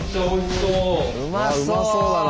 うまそうだな。